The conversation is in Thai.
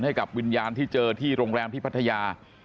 ให้กับวิญญาณที่เจอที่โรงแรมที่พัทยา